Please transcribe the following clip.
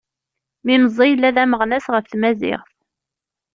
Mi meẓẓi yella d ameɣnas ɣef tmaziɣt.